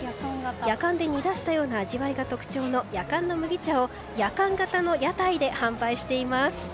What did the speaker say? やかんで煮出したような味が特徴の、やかんの麦茶をやかん型の屋台で販売しています。